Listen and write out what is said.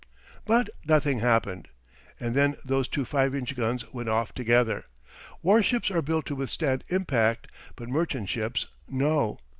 But nothing happened! And then those two 5 inch guns went off together. War ships are built to withstand impact, but merchant ships no.